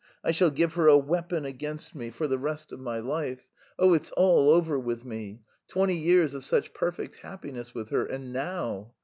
I shall give her a weapon against me for the rest of my life. Oh, it's all over with me! Twenty years of such perfect happiness with her... and now!"